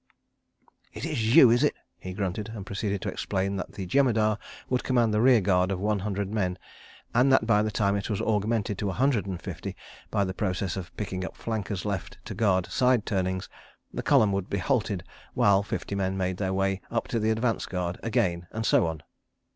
"It's you, is it!" he grunted, and proceeded to explain that the Jemadar would command the rear guard of one hundred men, and that by the time it was augmented to a hundred and fifty by the process of picking up flankers left to guard side turnings, the column would be halted while fifty men made their way up to the advance guard again, and so on.